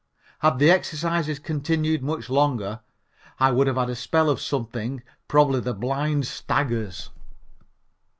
Had the exercises continued much longer I would have had a spell of something, probably the blind staggers.